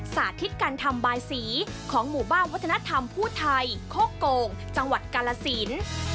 สาธิตการทำบายสีของหมู่บ้านวัฒนธรรมผู้ไทยโคกโกงจังหวัดกาลสิน